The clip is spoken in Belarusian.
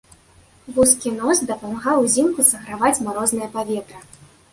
Вузкі нос дапамагаў узімку саграваць марознае паветра.